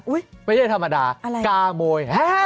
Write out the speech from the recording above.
อุ๊ยอะไรน่ะไม่ใช่ธรรมดากาโมยฮ่า